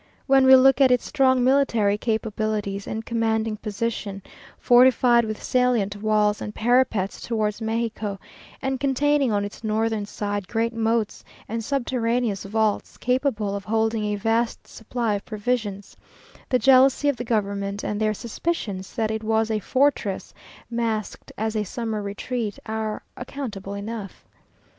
When we look at its strong military capabilities and commanding position, fortified with salient walls and parapets towards Mexico, and containing on its northern side great moats and subterraneous vaults, capable of holding a vast supply of provisions, the jealousy of the government, and their suspicions that it was a fortress masked as a summer retreat, are accountable enough.